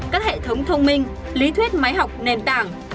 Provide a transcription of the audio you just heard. các hệ thống thông minh lý thuyết máy học nền tảng